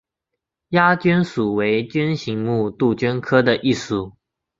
鸦鹃属为鹃形目杜鹃科的一属。